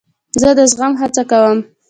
زه د زغم هڅه کوم.